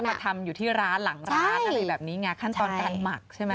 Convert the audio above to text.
มาทำอยู่ที่ร้านหลังร้านอะไรแบบนี้ไงขั้นตอนการหมักใช่ไหม